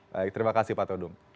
baik terima kasih pak todung